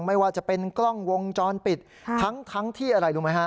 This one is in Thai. ไม่ว่าจะเป็นกล้องวงจรปิดทั้งที่อะไรรู้ไหมฮะ